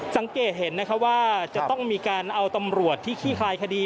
สังเกตเห็นว่าจะต้องมีการเอาตำรวจที่ขี้คลายคดี